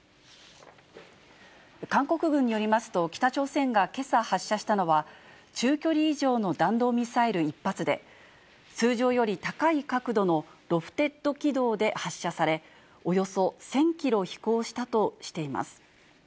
韓国軍によりますと、北朝鮮がけさ発射したのは、中距離以上の弾道ミサイル１発で、通常より高い角度のロフテッド軌道で発射され、およそ１０００キロ飛行したとしています。